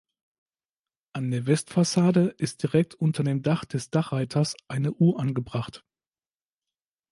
An der Westfassade ist direkt unter dem Dach des Dachreiters eine Uhr angebracht.